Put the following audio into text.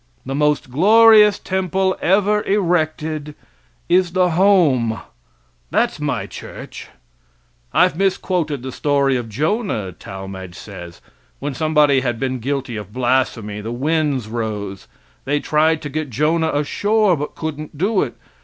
The most glorious temple ever erected is the home that's my church. I've misquoted the story of Jonah, Talmage says. When somebody had been guilty of blasphemy the winds rose; they tried to get Jonah ashore, but couldn't do it.